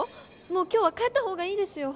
もう今日は帰った方がいいですよ。